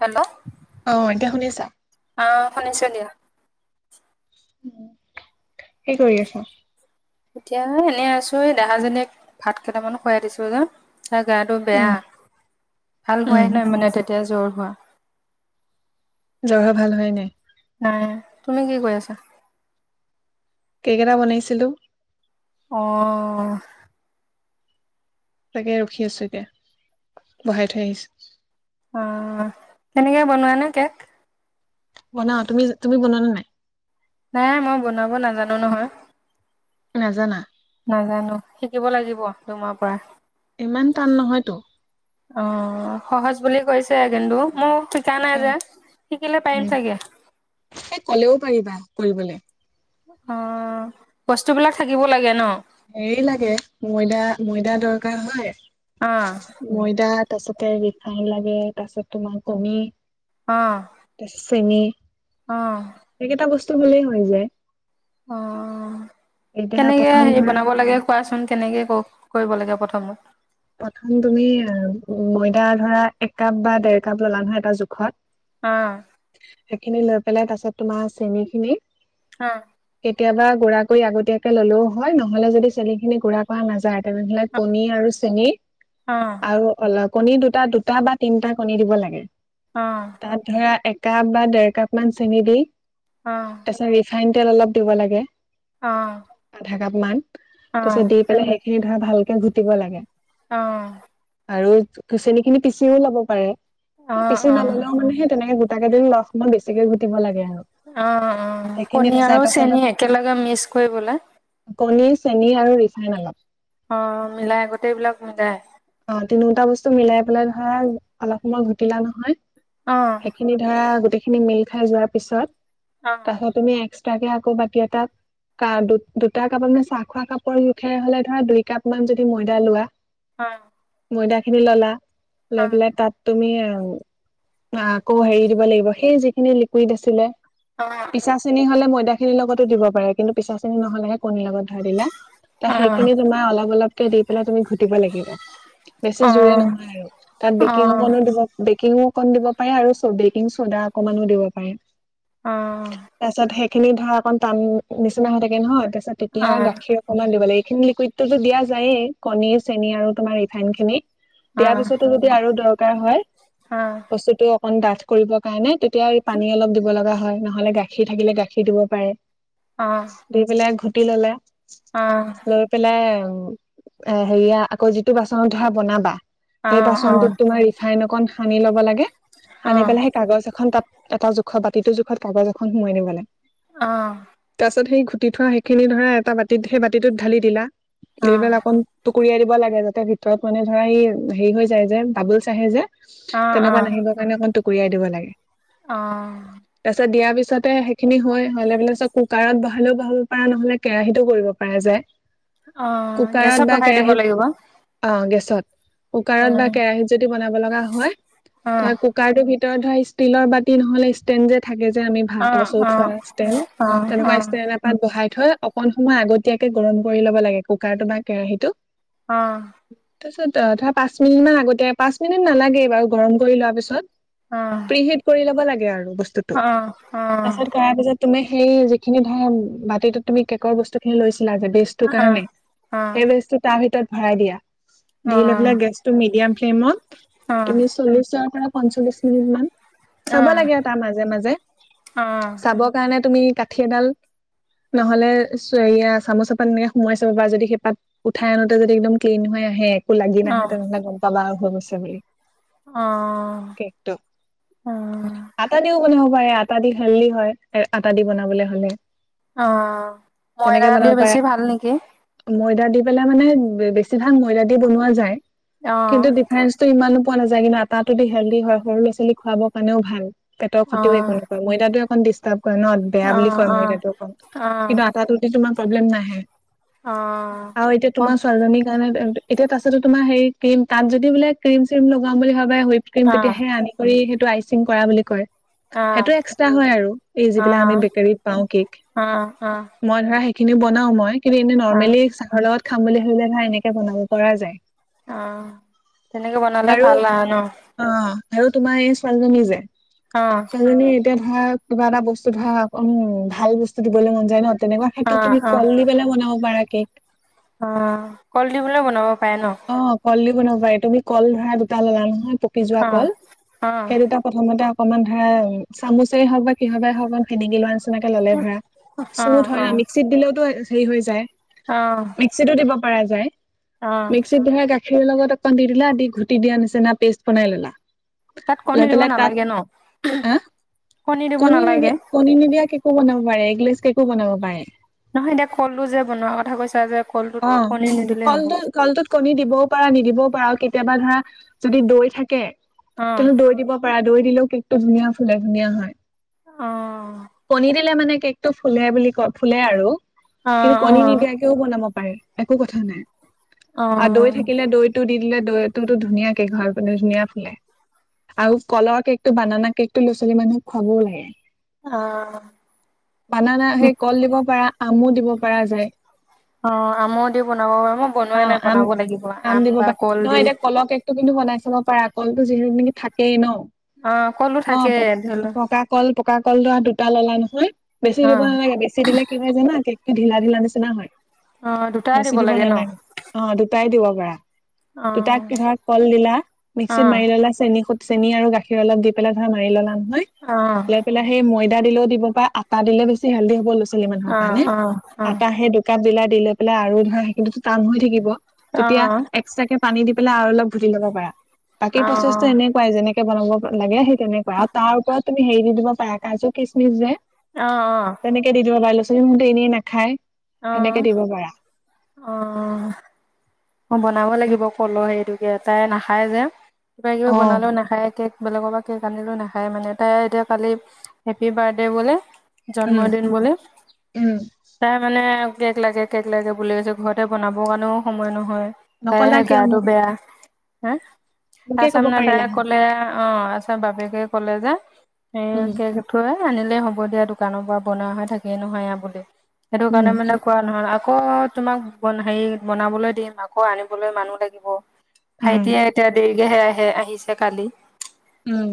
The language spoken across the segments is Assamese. হেল্ল', অ এতিয়া শুনিছা? আ শুনিছোঁ দিয়া। [unintelligible] কি কৰি আছে? এতিয়া এই এনেই আছোঁ এই দেহাজনীক ভাত কেইটামান খুৱাই দিছোঁ যে। তাইৰ গাটো উম বেয়া ভাল হোৱাই উম নাই মানে তেত এতিয়া জ্বৰ হোৱা। জ্বৰ হোৱা ভাল হোৱাই নাই? নাই তুমি কি কৰি আছা? কেক এটা বনেইছিলোঁ। অ'। তাকে ৰখি আছো এতিয়া, বহাই থৈ আহিছো। অ', তেনেকে বনোৱা নে কেক? বনাও তুমি, তুমি বনোৱা নে নাই? নাই মই বনাব নাজানো নহয়। নাজানা নাজানো, শিকিব লাগিব। তোমাৰ পৰা। ইমান টান নহয়তো। অ' সহজ বুলি কৈছে কিন্তু মই শিকা নাই যে শিকিলে পাৰিম উম চাগে। এই কলেও পাৰিবা কৰিবলে। অ' বস্তু বিলাক থাকিব লাগে ন'। হেৰি লাগে ময়দা ময়দাত দৰকাৰ হয় অ' ময়দাত তাৰপিছতে ৰিফাইন লাগে তাৰপিছত তোমাৰ কমি তাৰ চেনি অহ এইকেইটা বস্তু হলেই হৈ যায় অ এতিয়া কেনেকে প্ৰথম হেৰি ধৰা বনা লাগে খোৱাচোন কেনেকে কৰিব লাগে প্ৰথম প্ৰথম তুমি ময়দা ধৰা এক কাপ বা দেৰ কাপ ললা নহয় এটা অ জোখত এখিনি লাভ পেলাই তাৰ পিছত তোমাৰ চেনি খিনি হ কেতিয়াবা গুড়া কৰি আগতীয়াকে ললেও হয় নহলে যদি চেনি খিনি গুড়া কৰা নাযায় তেনেহলে কণী আৰু এনেই অ আৰু অলপ কণী দুটা দুটা বা তিনটা কণী দিব লাগে অ তাত ধৰা এক কাপ বা ডেৰ কাপ মান চেনি দি অহ চাইন তেল অলপ দিব লাগে অহ কিমান তাৰপিছত দি পেলাই সেইখিনি ভালকে ঘুটিব লাগে অহ আৰু চেনি খিনি পিচিও লব পাৰে অ অ এ পিচি অ নললেও মানে সেই তেনেকে গোট তাকেইদিন লখমন বেছিকে ঘুটিব লাগে আৰু অ অ সেইখিনি কণী এটা আৰু চাইডত চেনি চাইডত একেলগে মিক্স কৰিবলে। কণী চেনি আৰু ৰিফাইন অলপ। অ' মিলাই আগতেই এইবিলাক হৈ দাই। অ' তিনিওটা বস্তু মিলাই পেলাই ভাল, অলপ সময় ঘুটিলা নহয়। অ সেইখিনি ধৰা গোটেইখিনি খিনি মিল খাই যোৱাৰ পিছত অ তাৰ পিছত তুমি এক্স [unintelligible] কে আকৌ বতি এটাত, [unintelligible] দুত, দুটা কাপত মানে চাহ খোৱা কাপৰ জোখে হ'লে, ধৰা, দুই কাপ মান যদি মৈদা লোৱা [unintelligible] ময়দাখিনি ল'লা। অ লৈ পেলাই, তাত তুমি অ' উম। আকৌ হেৰি দিব লাগিব, সেই যিখিনি লিকুইড আছিলে। পিছা চেনি হ'লে, মৈদা খিনিৰ লগত দিব পাৰে। কিন্তু পিছা চিনি নহ'লেহে কণী লগত। [unintelligible] তে অ অ সেইখিনি তোমা অলপ অলপকে দি পেলাই, তুমি ঘুটিব লাগিব। বেছি জোৰে নহয় আৰু তাত অ অ বেকিং অকণো দিব বেকিং। অকণ দিব পাৰে আৰু চ', বেকিং চ'দা অকনমানো দিব পাৰে। অ'। খিনি ধৰা, অকন টান নিচিনা হৈ থাকে নহয়? অ তেতিয়া গাখীৰ অকনমান দিবলৈ [unintelligible] লিকুইডটো তো দিয়া যায়েই, কণী চেনি আৰু তোমাৰ ধানখিনি। অ দিয়াৰ পিছতো যদি আৰু দৰক হয়, হয়। অ অ অ বস্তুতটো কণ ডাঠ কৰিব কাৰণে [unintelligible] আৰু পানী অলপ দিব লগা হয়, নহ'লে গাখীৰ থাকিলে গাখীৰ দিব পাৰে। দি পেলাই ঘু [unintelligible] ল'লে লৈ পেলাই উম। এ হেৰিয়া, আকৌ যি টো বাচনত ধৰা বনাবা সেই বাচনটো, তোমাৰ ৰিফাইন অকণ সানি ল'ব লাগে সানি পেলাই সেই কাগজ এখন তাত এটা জোখত বাতিটো জোখত কোব জোখন সোমাই নিব লে আহ পাছতেই ঘুটি থোৱা সেইখিনি ধৰা এটা বাতিত সেই বাতিটোত ঢালি দিলা অ', দিবেল অকন টুকুৰিয়াই দিবা। লাগে। ভিতৰত মানে ধৰা এই হেৰি হৈ যায় যে বাবলচ আহে যে। তেনেকুৱা অ', নাহিবৰ কাৰণে টুকু ৰিয়াই দিব লাগে। অ', অ', তাৰ পিছত দিয়াৰ পিছত। পাছতে সেইখিনি হয়। হোৱাৰ লগে লগেই কুকাৰত বহালেও বহাব পৰা নহলে কেৰাহিততো কৰিব পাৰা যায়। অ' কুকাৰত গেছত বা বহাই দিব কেৰাহীত লাগিব। অ' গেছত কুকাৰত বা অ', কেৰাহীত যদি বনাব লগা হয়। অ', ধৰা কুকাৰটোত ভিতৰত ধৰা ষ্টিলৰ বাতি নহলে ষ্টেণ্ড যে থাকে। আমি ভাতৰ অ', চৰু অ', থোৱা ষ্টেন তেনেকুৱা ষ্টেন অ', তেনেকুৱা অ', ষ্টেন এটাত বহাই। থৈ অকন সময় আগতীয়াকে গৰম কৰি ল'ব লাগে। কুকাৰটো বা কেৰাহীটো। অ'। অ' ধৰা পাঁচ মিনিট মান আগতে পাঁচ মিনিট নালাগে বাৰু গৰম কৰি লোৱা পিছত। অ', অ', প্ৰিহিড কৰি লব লাগে। সেয়ে আৰু বস্তুটো অ', অ', অ', অ', অ', অ', তাৰপিছত কৰাৰ পিছত। তুমি সেই যিখিনি ধৰা বাতিতো তুমি কেকৰ বস্তু খিনি লৈছা। বেষ্ট কাৰণে, সেই বেষ্ট ভৰাই দিয়া। দি লৈ পেলাই গেছটো মিডিয়াম ফেলমত। তুমি চল্লিশৰ পৰা পঞ্চল্লিছ মিনিট মান। চাব লাগে। তাৰ মাজে মাজে চাব কাৰণে তুমি কাঠি এডাল নহ'লে। এয়া চামুচ এপাত এনেকে সোমোৱাই চাব বা যদি সেইপাত উঠাই আনোত যদি একদম ক্লিন হৈ আহে এক। লাগি নাহে অ', অ', তেনেহে গম পাবা আৰু হৈ গৈছে। [unintelligible] অ', কেকটো। অ'। ল'ব পাৰে। আটা দি হেল্ডি হয় আটা দি বনাবলে হ'লে। অ'হ মইদা তেনেকে দি বনাব পাৰে। বেছি ভাল নেকি? ময়দা দি মানে। বেছি ভাগ ময়দা দি বনোৱা যায়। কিন্তু অ', ডিফাৰেঞ্চতো ইমানো পোৱা নাযায় কিন্তু আটাটোদি হেল্ডি হয় সৰু ল'ৰা- ছোৱালী খুৱাবৰ কাৰণেও ভাল। পেটৰ খতিও অ', একো নকয় ময়দাতো একন দি কয় ন বেয়া বুলি অ', কয় অ', অ', ময়দা অকণ অ', অ', কিন্তু আটাটো তোমাক প্ৰব্লেম নাহে। অ আৰু এতিয়া ম [unintelligible] এতিয়া তাছতো তোমা হেৰি কম তাত যদি বোলে ক্ৰীম চ্ৰীম লগা বুলি ভাব হুইপক্ৰিম তেতিয়াহে আনি কৰি সেইটো আই [unintelligible] কৰা বুলি কয়। সেইটো এক্সট্ৰা হয় আৰু এই যিবিলাক আমি বেকাৰীত পাও কেক অ', অ', অ', মই ধৰা। খিনি বনাও মই। কিন্তু এনে অ', নৰ্মেলি চাহৰ লগত খাম বুলি ধৰিলে ভাল এনেকে বনাব পৰা যায়। অ তেনেকে বনালে ভাল আৰু ন। অ আৰু তোমাৰ এই ছোৱালীজনী যে। অ', ছোৱালী জনী এতিয়া ধৰা কিবা এটা বস্তু ধৰা অকণ ভাল বস্তু দিবলৈ মন যায় ন। তেনেকুৱা ক্ষেত্ৰত অ', তুমি অ', কল দি পেলাই বনাব পাৰা। কেক। অ' কল দি বুলে বনাব পাৰে ন? অ' কল দি দিও বনাব পাৰে তুমি কল ধৰা দুটা ল'লা নহয়। পকি যোৱা অ', কল, অ', সেই দুটা প্ৰথমতে অকণমান ধৰা চামুচে হওক বা কিহবাই হওক সেনেকি লোৱা নিছ ছিনাকে ললে ধৰা অ', স্মুথ হয় না অ', মিক্সিত দিলেওতো সেই হৈ যায়। অ', মিক্সিটো দিব পৰা যায় অ', মিক্সিত দৰা গাখ গাখীৰ লগত অকমান দি দিলা দি ঘুটি দিয়া নিচিনা পেষ্ট বনাই ললা তাত কণী লৈ দিব পেলাই নালাগে ন? তাত হ দিব কণী নালাগে? নিদিয়া কণী নিদিয়া কেকো বনাব পাৰে গ্লেছ কেকো বনাব পাৰে নহয় এতিয়া কলো যে বনোৱাৰ কথা কৈছা যে কলটোত অ কণী নিদিলেই হ'ব? কলটো কলটোত কণী দিবও পাৰা নিদিবও পৰা কেতিয়াবা ধৰা যদি দৈ থাকে তো অ', দৈ দিব পাৰা। দৈ দিলেও কেক টো ধুনীয়া ফুলে ধুনীয়া হয়। অ', কণী দিলে মানে কেকটো ফুলে বুলি কয় ফুলে আৰু। কিন্তু অ', কণী অ', নিদিয়াকেও বনাব পাৰে একো কথা নাই। আ দৈ অ', থাকিলে দৈতো দি দিলে দৈ ত ধুনীয়া কেক হয় ধুনীয়া ফুলে আৰু কল কেক টো বানানা কেক টো লৰা ছোৱালী মানুহক খুৱাবও লাগে। অ', বানানা সেই কল দিব পাৰা। আমো দিব পৰা যায়। অ আমো দি বনাব পাৰ মই অ বনোৱাই নাই আম বনাব লাগিব আম দিব বা পাৰা কল নহয় দি। এতিয়া কলৰ কেকটো কিন্তু বনাই চাব পাৰা কলতো যিহেতু নেকি থাকেই ন। অ', কলো অ থাকে প ধৰি ল পকা কল পকা কল ধৰা দুটা ললা ন। হয়। বেছি দিব অ', নালাগে বেছি দিলে কি হয় জানা কেক- ঢিলা ঢিলা নিচিনা হয়। অ দুটাই বেছি দিব লাগে ন নালাগে। অ দুটাই দিব। ধৰা অ দুটাক ধৰা কল দিলা অ মিক্সিত মাৰি ললা চেন খু চেনি আৰু গাখীৰ অলপ দি পেলাই ধৰা মাৰি ললা মিক অ লৈ পেলাই সেই মই ডা দিলেও দিব প আটা দিলে বেছি হেলদি হব লুচ কেইদিনৰ অ কাৰনে। অ অ আটা সেই একাপ দিলা দি লৈ পেলাই আৰু ধৰা সেইখিনি টো টান হৈ থাকিব। অ অ তেতিয়া এক্সট্ৰাকে পানী দি পেলাই আৰু অলপ ভুটি ল'ব পাৰা। বাকী প্ৰচেছটো এনেকুৱাই যেনেক কে বনা বব লাগে সেই তেনেকুৱা আৰু তাৰ ওপৰত তুমি হেৰি দি দিব পাৰা কাজু কিচমিচ যে। অ অ তেনেকে দি দিবা বাইলচ তোমতে এনেই নাখায়। অ সেনেকে দিব পাৰা। অ। মই বনাব লাগিব কলৰ সেইটোকে তাই নাখায় যে। কিবা কিবি অ বনালেও নাখায় কে বেলেগৰ পৰা কেক আনিলো নাখায়। মানে তাই এতিয়া কালি হেপী বাৰ্ডডে বোলেহ। উম জন্মদিন বুলি উম তাই মানে। কেক লাগে কেক লাগে [unintelligible] বুলৈছে ঘৰতে বনাব কাৰণেও সময় নহ হয়। নকলা খাইহে কিয় গাটো মোক বেয়া। হা। মোকে আচাম কব নাডা পাৰিলা হয় কলে অ, আছ তাৰ বাপেকে ক'লে যে। সেয় উম কে কাথুৱাই। এ, আনিলে হ'ব দিয়া দোকানৰ পৰা। বনোৱা হৈ থাকিয়ে নহয় এয়া বুলি। সেইটো উম কাৰণে মানে কোৱা নহল। আপ কৌ তোমাক বনা হেৰি বনাবলৈ দিম। আকৌ আনিবলৈ মানুহ লাগিব। উম ভাইটিয়ে এতিয়া দে। [unintelligible] আহে আহিছে কালি। উম।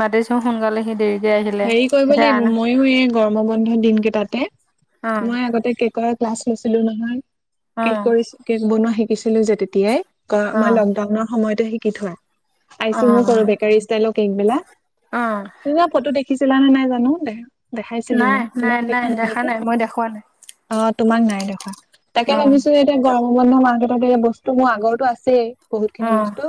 মাতিছো সোনকালে সি দেৰি হেৰি কৰিব লাগিব। ময়ো এই গৰমৰ বন্ধ দিনকেইটাতে। অ মই আগতে কেকৰ। ক্লাছ লৈছিলো নহয়। কেক অ কৰিছ কেক বনোৱা শিক। শিছিলো যে তেতিয়াই। ক, মই অ লকডাউনৰ সময়তে শিক কি থয়? আইছে মো কৰো বেকাৰী ষ্টাইল তেক বিলাক। অ শিকিছিলা নে নাই জানো দে। দেখাইছিলো নাই, মই তোমাক দেখোৱা নাই দেখা নেকি, মই দেখুওৱা নাই। অ তোমাক নাই দেখোৱা তাকে উম, ভাবিছো যে এতিয়া গৰম। মাৰ্কেটত বস্তু মোৰ আগৰতো আছেই। বহুত খিনি উম, বস্তু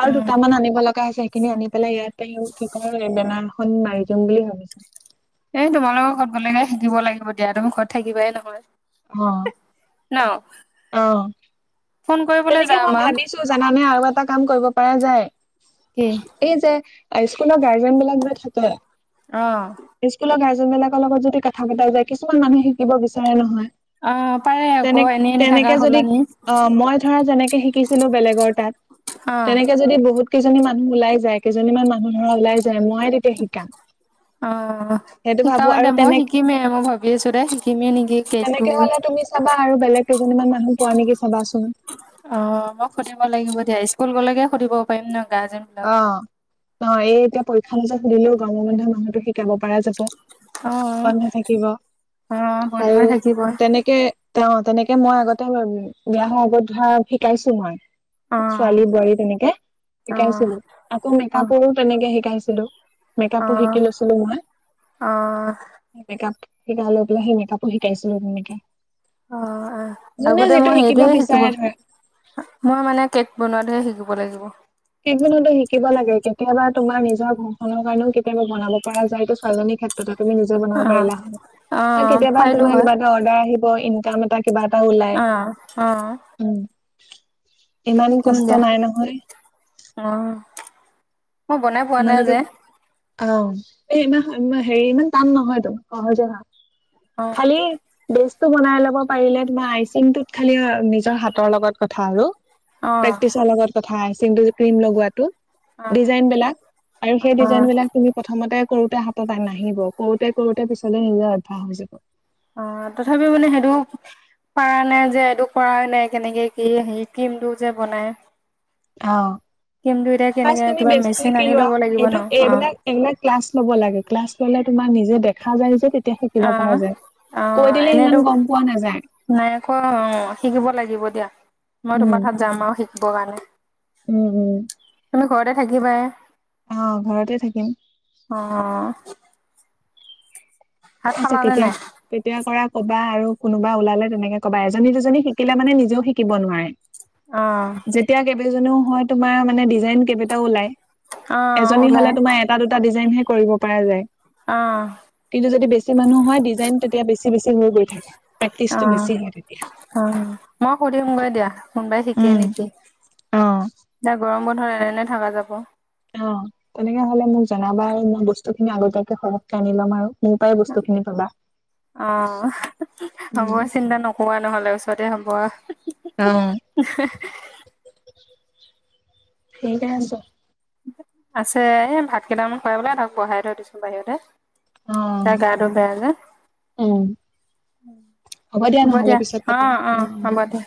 আৰু উম। দুটামান আনিব লাগ গা হৈছে সেইখিনিও আনি পেলাই ইয়াতেও কেকৰ বেনাৰখন মাৰি। জম বুলি ভাবিছো। এ তোমালোকৰ ঘৰত গ'লেগে থাকিব লাগিব দিয়া, তুমি ঘৰত থাকিবাই নহয়। অহ ন। অহ। ফোন কৰিবলৈ তেনেকে যাম মই আ ভাবিছো জানানে আৰু এটা কাম কৰিব পা যায়। কি এই যে স্কুলৰ গাৰ্জেনবিলাক যে থাকে। অহ। যোনবিলাকৰ লগত যদি কথা পতাই যায়, কিছুমান মানুহে শিকিব বিচাৰে নহয়। অ পাৰে আকৌ তেনে এনে এনে থাকা তেনেকে যদি সলনি। অ মই ধৰা যেনেকে শিকিছিলো বেলেগৰ তাত, অ', তেনেকে যদি বহুত কেইজনী মানুহ ওলাই যায়, কেইজনী মানুহ ধৰা ওলাই যায়, মই তেতিয়া শিকাম, অ'। সেইটো ভাবো শিকাবা আৰু দে মই তেনেক শিকিমেই মই ভাবি আছো দে শিকিমেই নেকি কেকটো। তেনেকে হলে তুমি চাবা আৰু বেলেগ কেইজনীমান মানুহ পোৱা নেকি চাবাচোন। অ মই সুধিব লাগিব দিয়া স্কুল গলেকে সুধিব পাৰিম ন। গাৰ্জেন অ বিলাকক। অ এইটিয়াব পৰক্ষা ৰিজাল সুধিলেও গৰম বন্ধ মাহটো শেষ। শিকাব পৰা যাব, অ', বন্ধ থাকিব অ', আৰু বন্ধই থাকিব তেনেকে। তেওঁ তেনেকে মই আগতে বিয়াহৰ আগত ধৰা শিকাইছো মই। অ', ছোৱালী বোৱাৰী তেনেকে। অ', শিকাইছিলো আকৌ অ', মেকআপৰো তেনেকে শিকাইছিল। ছিলো। মেকআপো অ'। শিকি লৈছিলো অ', মই মেকআপ। সিকাই লৈ পেলাই হেই মেকআপো শিকাইছিলো মেকআপ। অ আহ আগতে মই সেইটোয়ে শিকিব বিচাৰে ধৰা মই মানে কেক বনোৱাত। তে শিকিব লাগিব। কেক দিনতো শিকিব লাগে, কেতিয়াবা তোমাৰ নিজৰ ঘৰখনৰ কাৰণেও কেতিয়াবা বনাব পৰা যায়, এইটো ছোৱালজনীৰ ক্ষেত্ৰত। তুমি নিজে বনাব অ', পাৰিলা, অ বা কেতিয়াবা পাৰিলো তোমাৰ হয়। আদৰ আহিলে। ইনকাম এটা কিবা এটা ওলাই অ', অ উম। [inaudible] ইমান কষ্ট নাই নহয়। ম' মই বনাই পোৱা নাই ইমানতো যে। অ', এই ইমান হেৰি ইমান টান নহয়টো, সহজে হয়। অ', খালী বে টো বনাই ল'ব পাৰিলে তোমাৰ আইচিংটোত খালি নিজৰ হাতৰ লগত কথা আৰু। অ', প্ৰেক্টিছৰ লগত কথ ঠা আইচিংটো ক্ৰীম লগোৱাটো। অ', ডিজাইন বিলাক। আৰু সেই অ', ডিজাইন বিলাক তুমি প্ৰথ তে কৰোঁতে হাতত নাহিব কৰোঁতে কৰোঁতে পিছলে নিজে অভ্যাস হৈ যাব। অ', তথাপিও মানে সেইটো পাৰা নাই যে এইটো কৰা নাই কেনেকে কি হে ক্ৰীমটো যে বনাই। অ'। ক্ৰীমটো এতিয়া কেনেকে ফাৰ্ষ্ট তুমি কিবা বেসটো মেচিন শিকি আনি লোৱা, ল'ব লাগিব ন? এইটো অ', এইবিলাক এইবিলাক ক্লাছ ল'ব লাগে ক্লাছ ল'লে তোমাৰ নিজে দে খা যায় যে কেত অ', অ', ইমান এনেইটো গম পোৱা নাযায়। নাই আকৌ অ', শিকিব লাগিব দিয়া, মই উম, তোমাৰ তাত যাম আৰু শিকি ব কাৰণে উম, উম। তুমি ঘৰতে থাকিবাই অ', ঘৰতে থাকিম। অ', কে ভাত আছে খালানে কেতিয়া নাই? কেতিয়া কৰা ক'বা আৰু কোনোবা ওলালে তেনেকে ক'বা এজনী দুজনী শিকিলে মানে নিজেও শিকিব নোৱাৰে। অ'। কেইজনেও হয় তোমাৰ মানে দিজ জাইন কেইবাটাও ওলাই অ', এজনী ওলাই হ'লে তোমাৰ এটা দুটা ডিজাইনহে কৰিব পাৰা যায়। অ'। কিন্তু যদি বেছি মানুহ হয় ডিজাইন তেতিয়া বেছি বেছি হৈ গৈ থাকে প্ৰেক্টিচটো অ', বেছি হয়ে তেতিয়া অ', মই সুধিমগৈ দিয়া কোনোবাই শিকে উম, নেকি? অ'। এতিয়া গৰম বন্ধত এনে থাকা যাব। অ', তেনেকে হ'লে মোক জনাবা মই বস্তু খিনি আগতীয়াকে সৰহকে আনি লম আৰু। মোৰ পৰাই বস্তু খিনি পাবা অ', হ'ব উম চিন্তা নকোৱা নহ'লে ওচৰতে হ'ব। অ ঠিকে আছে। আছে এই ভাত কেইটামান খুৱাই বোলে তাক বহাই থৈ দিছো বাহিৰতে। অ তাৰ গাটো বেয়া যে, উম হ'ব নহ'লে দিয়া পিছত পাতিম অ', অ', উম হ'ব দিয়া।